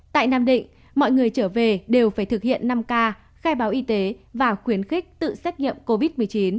tại nam định mọi người trở về đều phải thực hiện năm k khai báo y tế và khuyến khích tự xét nghiệm covid một mươi chín